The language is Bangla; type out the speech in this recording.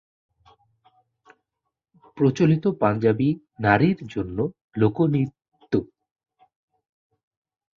প্রচলিত পাঞ্জাবি 'নারীর' জন্য লোকনৃত্য